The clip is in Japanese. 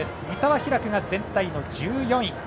三澤拓が全体の１４位。